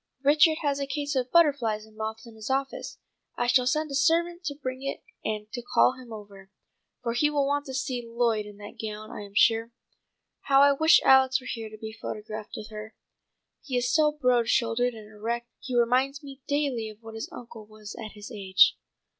Richard has a case of butterflies and moths in his office. I shall send a servant to bring it and to call him over, for he will want to see Lloyd in that gown I am sure. How I wish Alex were here to be photographed with her. He is so broad shouldered and erect he reminds me daily of what his uncle was at his age."